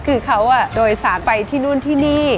คือเขาโดยสารไปที่นู่นที่นี่